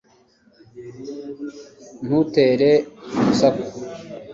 ntutere urusaku